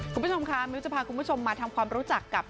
คุณผู้ชมค่ะมิ้วจะพาคุณผู้ชมมาทำความรู้จักกับ